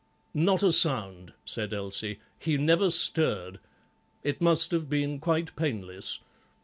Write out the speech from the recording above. "Not a sound," said Elsie; "he never stirred; it must have been quite painless.